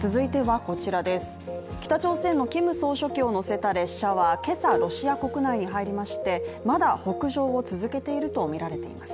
北朝鮮のキム総書記を乗せた列車は今朝、ロシア国内に入りましてまだ北上を続けているとみられています。